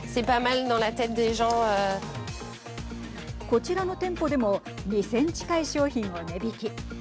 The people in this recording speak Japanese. こちらの店舗でも２０００近い商品を値引き。